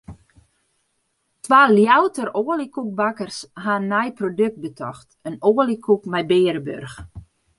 Twa Ljouwerter oaljekoekbakkers hawwe in nij produkt betocht: in oaljekoek mei bearenburch.